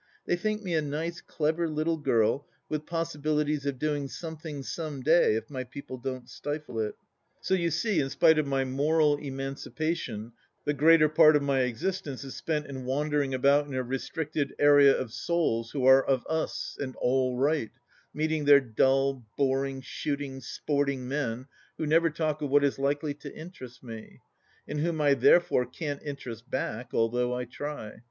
They think me a nice clever little girl with possibilities of doing something some day if my people don't stifle it. ... 3 34 THE LAST DITCH So, you see, in spite of my moral emancipation, the greater part of my existence is spent in wandering about in a re stricted area of souls, who are of Us, and All Right, meeting their dull, boring, shooting, sporting men who never talk of what is likely to interest me and whom I therefore can't interest back, although I try.